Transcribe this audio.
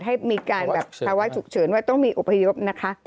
ให้มีการแบบภาวะฉุกเฉินว่าต้องมีอพยพนะคะ